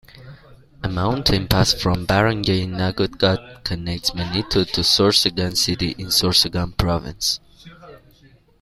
A mountain pass from barangay Nagotgot connects Manito to Sorsogon City in Sorsogon province.